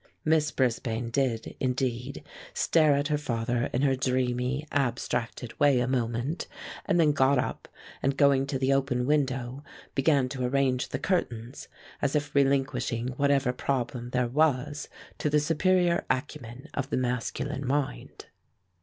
Miss Brisbane did, indeed, stare at her father in her dreamy, abstracted way a moment, and then got up, and, going to the open window, began to arrange the curtains, as if relinquishing whatever problem there was to the superior acumen of the masculine mind.